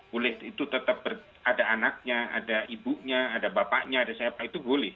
boleh itu tetap ada anaknya ada ibunya ada bapaknya ada siapa itu boleh